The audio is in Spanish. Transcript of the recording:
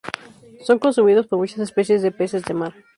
Son consumidos por muchas especies de peces de mar.